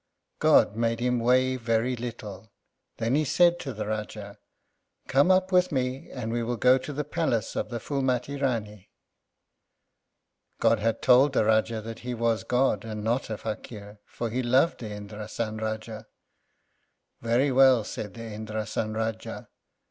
God made him weigh very little. Then he said to the Rájá, "Come up with me, and we will go to the palace of the Phúlmati Rání." God had told the Rájá that he was God and not a Fakír, for he loved the Indrásan Rájá. "Very well," said the Indrásan Rájá.